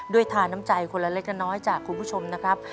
ทาน้ำใจคนละเล็กละน้อยจากคุณผู้ชมนะครับ